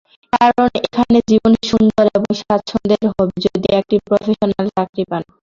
কারণ এখানে জীবন সুন্দর এবং স্বাচ্ছন্দের হবে যদি একটি প্রফেশনাল চাকরি পান।